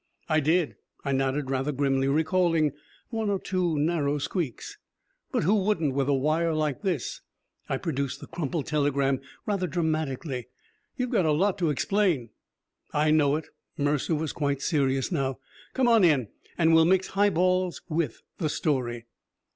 "I did!" I nodded rather grimly, recalling one or two narrow squeaks. "But who wouldn't, with a wire like this?" I produced the crumpled telegram rather dramatically. "You've got a lot to explain." "I know it." Mercer was quite serious now. "Come on in and we'll mix highballs with the story."